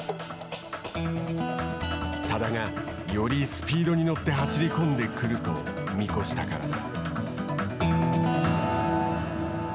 多田が、よりスピードに乗って走り込んでくると見越したからだ。